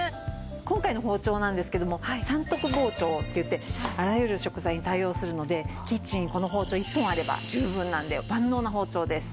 今回の包丁なんですけども三徳包丁っていってあらゆる食材に対応するのでキッチンにこの包丁１本あれば十分なので万能な包丁です。